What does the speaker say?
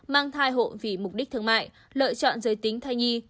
mang thai hộ vì mục đích thương mại lợi chọn giới tính thay nhi